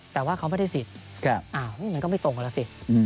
แต่ว่าเขาไม่ได้สิทธิ์มันก็ไม่ตรงกันแล้วสิ